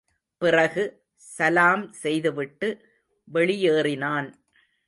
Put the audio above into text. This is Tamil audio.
பிறகு, சலாம் செய்துவிட்டு வெளியேறினான்.